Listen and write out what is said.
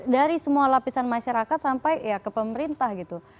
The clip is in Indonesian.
dari semua lapisan masyarakat sampai ya ke pemerintah gitu